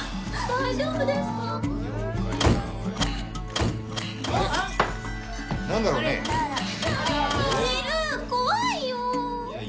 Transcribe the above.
大丈夫ですよ